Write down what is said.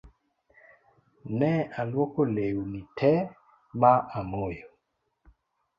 Ne aluoko leuni tee ma amoyo